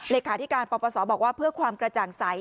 เลขาธิการปปศบอกว่าเพื่อความกระจ่างใส